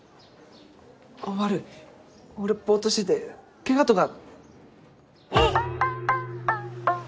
あっ悪い俺ボっとしててケガとか。